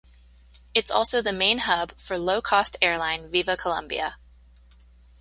It's also the main hub for low-cost airline Viva Colombia.